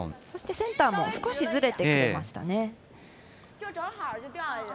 そして、センターも少しずれていましたね。